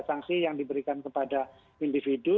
sanksi yang diberikan kepada individu